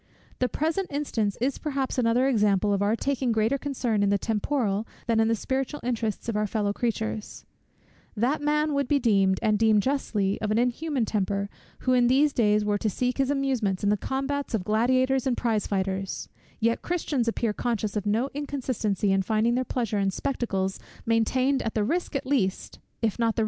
The present instance is perhaps another example of our taking greater concern in the temporal, than in the spiritual interests of our fellow creatures. That man would be deemed, and justly deemed, of an inhuman temper, who in these days were to seek his amusement in the combats of gladiators and prize fighters: yet Christians appear conscious of no inconsistency, in finding their pleasure in spectacles maintained at the risk at least, if not the ruin, of the eternal happiness of those who perform in them! SECT.